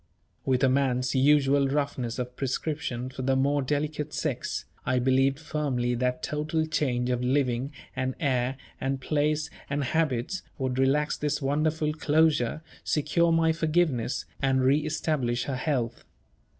With a man's usual roughness of prescription for the more delicate sex, I believed firmly that total change of living, and air, and place, and habits, would relax this wonderful closure, secure my forgiveness, and re establish her health.